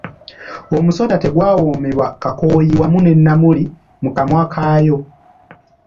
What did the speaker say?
Omusota tegwawomerwa kakooyi wamu ne Namuli mu kamwa k'ayo.